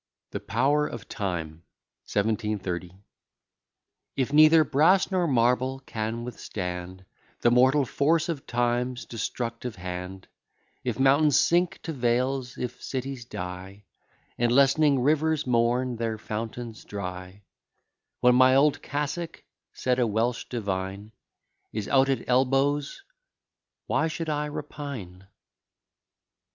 E. B._] THE POWER OF TIME. 1730 If neither brass nor marble can withstand The mortal force of Time's destructive hand; If mountains sink to vales, if cities die, And lessening rivers mourn their fountains dry; When my old cassock (said a Welsh divine) Is out at elbows, why should I repine?